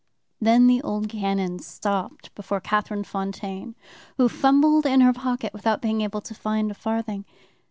"Then the old canon stopped before Catherine Fontaine, who fumbled in her pocket without being able to find a farthing.